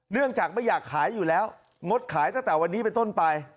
เนื่องจากไม่อยากขายอยู่แล้วงดขายตั้งแต่วันนี้ไปต้นไป